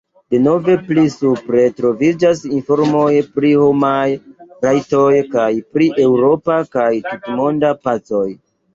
Denove pli supre troviĝas informoj pri homaj rajtoj kaj pri eŭropa kaj tutmonda pacoj.